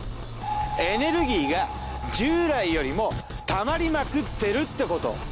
エネルギーが従来よりも溜まりまくってるってこと。